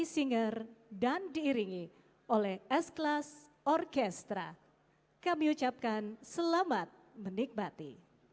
dan share video ini ke tempat vadu kepada teman tempat kembali